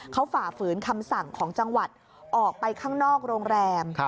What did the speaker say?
เขาฝ่าฝืนคำสั่งของจังหวัดออกไปข้างนอกโรงแรม